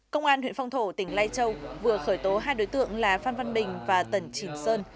công an huyện phong thổ tỉnh lai châu vừa khởi tố hai đối tượng là phan văn bình và tần chỉnh sơn